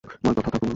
মার কথা থাক রমা।